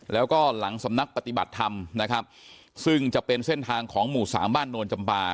แล้วก็หลังสำนักปฏิบัติธรรมนะครับซึ่งจะเป็นเส้นทางของหมู่สามบ้านโนนจำปา